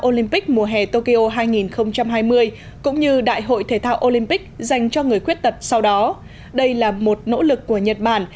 olympic mùa hè tokyo hai nghìn hai mươi cũng như đại hội thể thao olympic dành cho người khuyết tật sau đó đây là một nỗ lực của nhật bản